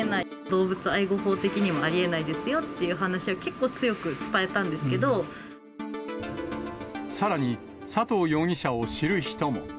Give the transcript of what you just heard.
動物愛護法的にもありえないですよっていう話は結構強く伝えたんさらに、佐藤容疑者を知る人も。